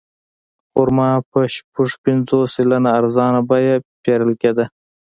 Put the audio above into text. خرما په شپږ پنځوس سلنه ارزانه بیه پېرل کېده.